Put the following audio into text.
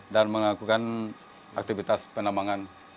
dan mengakukan aktivitas penambangan